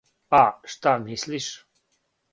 А, шта мислиш?